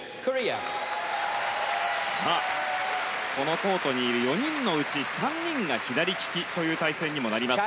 さあ、このコートに４人のうち３人が左利きという対戦になります。